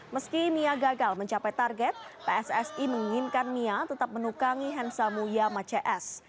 meski mia gagal mencapai target psse menginginkan mia tetap menukangi hensamuya macias